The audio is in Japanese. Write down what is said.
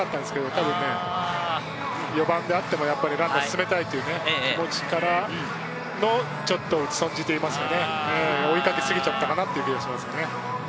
たぶん４番であっても詰めたいという気持ちからの打ち損じといいますかね、追いかけすぎちゃったかなという気がしますね。